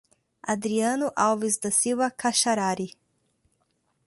Adriano Alves da Silva Kaxarari